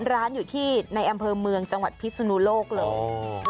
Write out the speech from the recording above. ร้านอยู่ที่ในอำเภอเมืองจังหวัดพิศนุโลกเลย